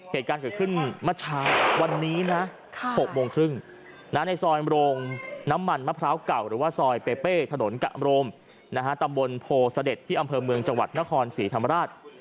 เหตุการณ์เกิดขึ้นเมื่อเช้าวันนี้นะ๖โมงครึ่งในซอยโรงน้ำมันมะพร้าวเก่าหรือว่าซอยเปเป้ถนนกะอำโรมตำบลโพเสด็จที่อำเภอเมืองจังหวัดนครศรีธรรมราช